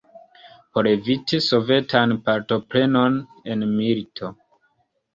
Por eviti Sovetan partoprenon en milito.